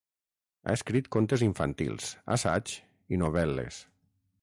Ha escrit contes infantils, assaigs i novel·les.